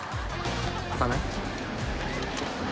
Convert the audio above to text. ・開かない？